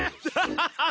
ハハハッ！